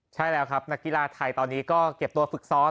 ใช่แล้วครับนักกีฬาไทยตอนนี้ก็เก็บตัวฝึกซ้อม